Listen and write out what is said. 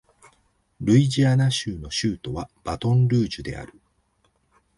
ルイジアナ州の州都はバトンルージュである